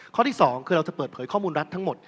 ข้อที่๒คือเราจะเปิดเผยข้อมูลรัฐทั้งหมด